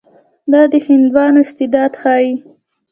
دا د هندیانو استعداد ښيي.